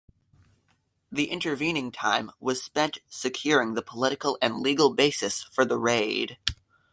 The intervening time was spent securing the political and legal basis for the raid.